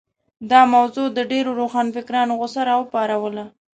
دا موضوع د ډېرو روښانفکرانو غوسه راوپاروله.